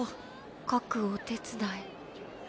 描くお手伝い。